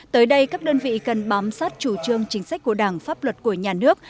tới đây các đơn vị cần bám sát chủ trương chính sách của đảng pháp luật của nhà nước